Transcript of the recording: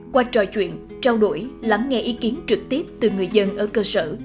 qua trò chuyện trao đổi lắng nghe ý kiến trực tiếp từ người dân ở cơ sở